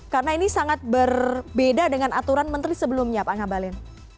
karena ini sangat berbeda dengan aturan menteri sebelumnya pak ngabalin